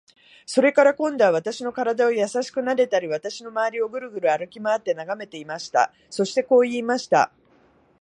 それから、今度は私の身体をやさしくなでたり、私のまわりをぐるぐる歩きまわって眺めていました。そしてこう言いました。